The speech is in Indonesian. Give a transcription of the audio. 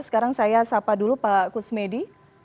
sekarang saya sapa dulu pak kusmedi